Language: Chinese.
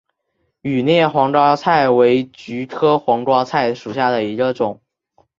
羽裂黄瓜菜为菊科黄瓜菜属下的一个种。